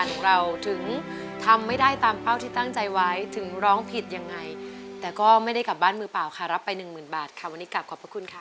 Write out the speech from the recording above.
รับไปหนึ่งหมื่นบาทค่ะวันนี้กลับขอบคุณค่ะ